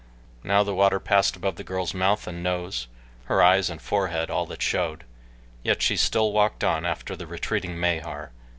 Now the water passed above the girl's mouth and nose her eyes and forehead all that showed yet still she walked on after the retreating Mahar.